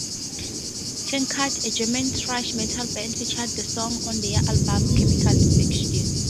Tankard, a German thrash metal band, featured the song on their album "Chemical Invasion".